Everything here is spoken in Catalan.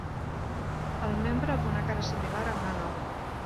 El membre amb una cara similar a una nou.